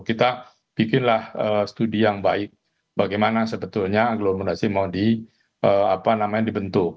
kita bikinlah studi yang baik bagaimana sebetulnya aglomerasi mau dibentuk